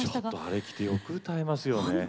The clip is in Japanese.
あれを着てよく歌えますよね。